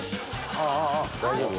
大丈夫？